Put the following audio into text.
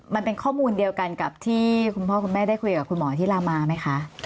มันเป็นข้อมูลเดียวกันกับที่คุณพ่อคุณแม่ได้คุยกับคุณหมอที่ลามาไหมคะ